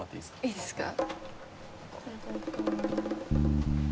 いいですか？